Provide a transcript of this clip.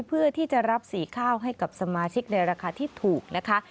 เพื่อที่จะรับสีข้าวให้กับสมาชิกในราคาที่ถูกนะคะ